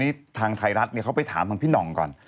นี่ทางไทยรัฐเขาไปถามทางพี่นองก่อน